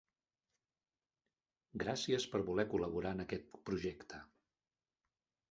Gràcies per voler col·laborar en aquest projecte.